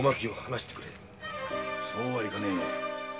そうはいかねぇ。